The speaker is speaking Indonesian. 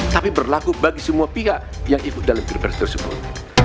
tapi berlaku bagi semua pihak yang ikut dalam pilpres tersebut